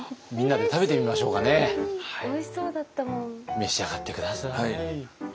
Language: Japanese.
召し上がって下さい。